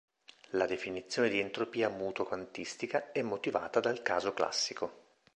La definizione di entropia mutua quantistica è motivata dal caso classico.